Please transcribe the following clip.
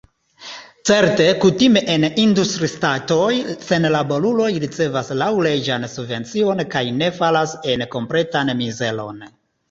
Certe, kutime en industriŝtatoj senlaboruloj ricevas laŭleĝan subvencion kaj ne falas en kompletan mizeron.